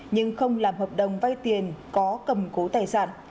nhưng không làm hợp đồng vay tiền có cầm cố tài sản